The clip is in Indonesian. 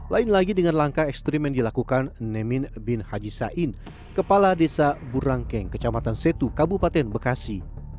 lain lagi dengan langkah ekstrim yang dilakukan nemin bin haji sain kepala desa burangkeng kecamatan setu kabupaten bekasi